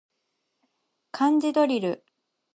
漢字ドリル